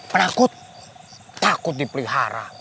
penakut takut dipelihara